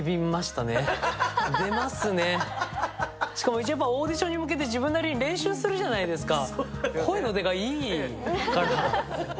しかも、オーディションに向けて自分なりに練習するじゃないですか。